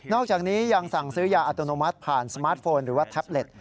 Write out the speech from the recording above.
อกจากนี้ยังสั่งซื้อยาอัตโนมัติผ่านสมาร์ทโฟนหรือว่าแท็บเล็ต